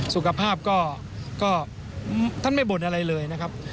สุขภาพก็ท่านไม่บ่นอะไรเลยนะครับ